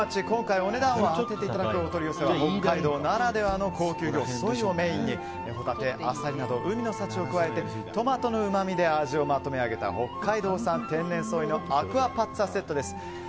今回、お値段を当てていただくお取り寄せは北海道ならではの高級魚ソイをメインにホタテ、アサリなど海の幸を加えてトマトのうまみで味をまとめあげた北海道産天然ソイのアクアパッツァセットです。